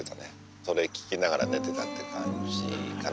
それ聞きながら寝てたって感じかな。